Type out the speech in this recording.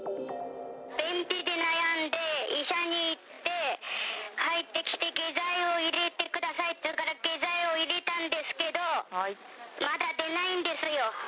便秘で悩んで医者に行って帰ってきて、下剤を入れてくださいっていうから、下剤を入れたんですけど、まだ出ないんですよ。